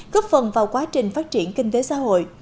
góp phần vào quá trình phát triển kinh tế xã hội